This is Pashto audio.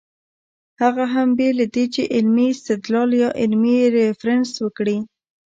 هغه هم بې له دې چې علمي استدلال يا علمي ريفرنس ورکړي